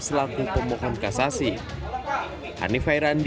selaku pemohon kasasi